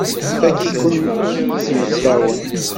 Fakk-iken imeṭṭawen!